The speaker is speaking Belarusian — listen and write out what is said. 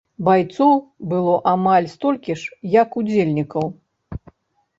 Байцоў было амаль столькі ж, як удзельнікаў.